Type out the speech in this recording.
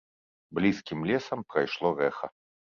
Блізкім лесам прайшло рэха.